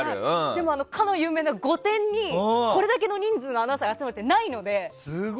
でも、かの有名な「御殿」にこれだけの人数のアナウンサーが集まるってないので。